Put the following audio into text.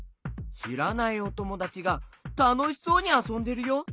しらないおともだちがたのしそうにあそんでるよ。